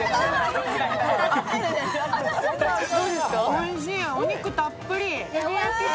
おいしい、お肉たっぷり。